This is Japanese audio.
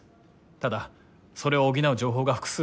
ただそれを補う情報が複数ある。